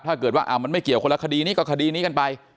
ถ้าเกิดว่ามันไม่เกี่ยวคนละคดีนี้ก็คดีนี้กันไป